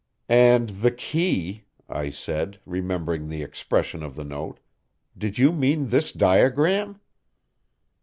"And the key," I said, remembering the expression of the note, "Did you mean this diagram?"